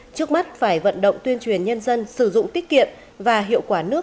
trước mắt phải vận động tuyên truyền nhân dân sử dụng tiết kiệm và hiệu quả nước